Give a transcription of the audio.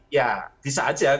ya bisa aja